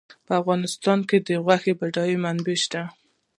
په افغانستان کې د غوښې بډایه منابع شته.